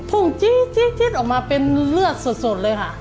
จี๊ดออกมาเป็นเลือดสดเลยค่ะ